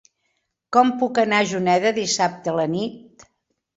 Com puc anar a Juneda dissabte a la nit?